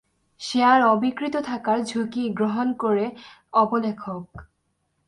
Share অবিক্রিত থাকার ঝুঁকি গ্রহণ করে অবলেখক।